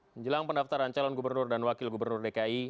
menjelang pendaftaran calon gubernur dan wakil gubernur dki